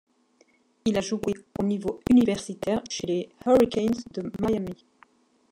Il a joué au niveau universitaire chez les Hurricanes de Miami.